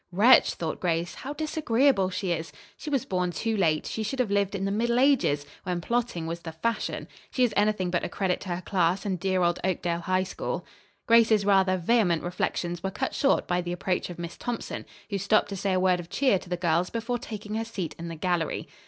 "Wretch!" thought Grace. "How disagreeable she is. She was born too late. She should have lived in the middle ages, when plotting was the fashion. She is anything but a credit to her class and dear old Oakdale High School." Grace's rather vehement reflections were cut short by the approach of Miss Thompson, who stopped to say a word of cheer to the girls before taking her seat in the gallery.